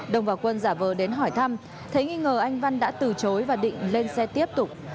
đồng và quân giả vờ đến hỏi thăm thấy nghi ngờ anh văn đã từ chối và định lên xe tiếp tục